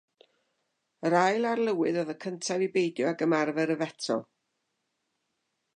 Yr ail arlywydd oedd y cyntaf i beidio ag ymarfer y feto.